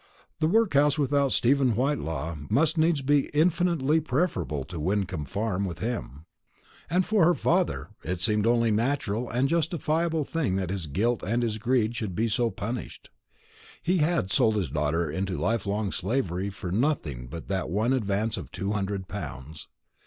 The workhouse without Stephen Whitelaw must needs be infinitely preferable to Wyncomb Farm with him. And for her father, it seemed only a natural and justifiable thing that his guilt and his greed should be so punished. He had sold his daughter into life long slavery for nothing but that one advance of two hundred pounds.